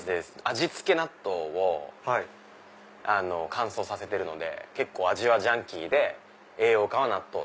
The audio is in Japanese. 味付け納豆を乾燥させてるので結構味はジャンキーで栄養価は納豆で。